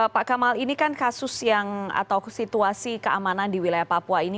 pak kamal ini kan kasus yang atau situasi keamanan di wilayah papua ini